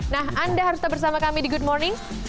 nah anda harus tetap bersama kami di good morning